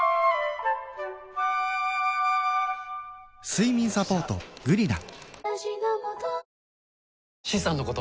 睡眠サポート「グリナ」